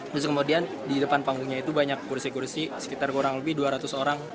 terus kemudian di depan panggungnya itu banyak kursi kursi sekitar kurang lebih dua ratus orang